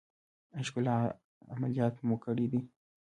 ایا ښکلا عملیات مو کړی دی؟